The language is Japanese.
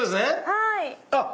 はい。